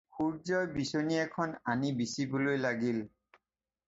সূৰ্য্যই বিচনী এখন আনি বিচিবলৈ লাগিল।